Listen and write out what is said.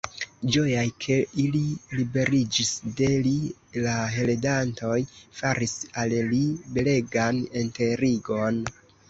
Ĝojaj, ke ili liberiĝis de li, la heredantoj faris al li belegan enterigon.